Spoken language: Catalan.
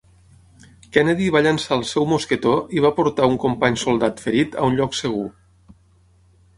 Kennedy va llençar el seu mosquetó i va portar un company soldat ferit a un lloc segur.